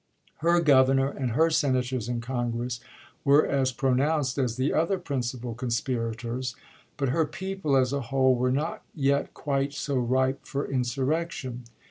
Her Governor and her Senators in Congress were as pronounced as the other principal conspirators, but her people, as a whole, were not yet quite so ripe for insur rection.